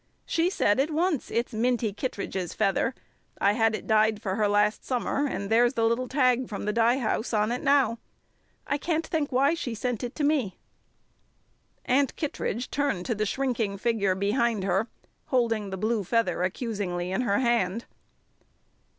"She said at once, 'It's Minty Kittredge's feather. I had it dyed for her last summer, and there's the little tag from the dye house on it now.' I can't think why she sent it to me." Aunt Kittredge turned to the shrinking figure behind her, holding the blue feather accusingly in her hand.